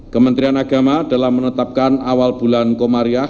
kementerian agama dalam menetapkan awal bulan komariah